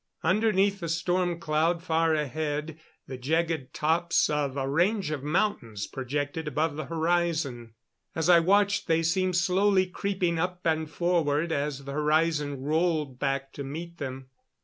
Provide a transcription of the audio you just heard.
Underneath the storm cloud, far ahead, the jagged tops of a range of mountains projected above the horizon. As I watched they seemed slowly creeping up and forward as the horizon rolled back to meet them.